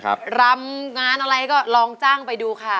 รำงานอะไรก็ลองจ้างไปดูค่ะ